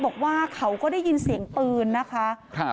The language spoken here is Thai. บอกว่าเขาก็ได้ยินเสียงปืนนะคะครับ